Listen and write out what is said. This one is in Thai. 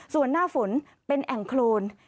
ส่วนหน้าฝนเป็นแอ่งโครน